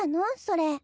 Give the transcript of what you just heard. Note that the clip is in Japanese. それ。